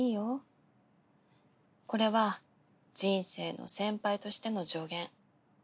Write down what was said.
これは人生の先輩としての助言。